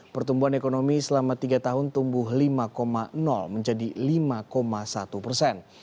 pertumbuhan ekonomi selama tiga tahun tumbuh lima menjadi lima satu persen